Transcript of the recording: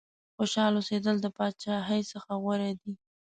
خوشاله اوسېدل د بادشاهۍ څخه غوره دي.